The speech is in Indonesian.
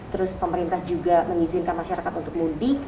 terus pemerintah juga mengizinkan masyarakat untuk mudik